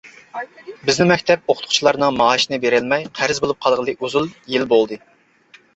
بىزنىڭ مەكتەپ ئوقۇتقۇچىلارنىڭ مائاشىنى بېرەلمەي، قەرز بولۇپ قالغىلى ئۇزۇن يىل بولدى.